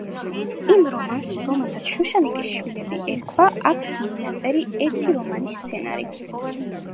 იმ რომანს, რომელსაც „შუშანიკის შვილები“ ერქვა აქვს მინაწერი: „ერთი რომანის სცენარი“.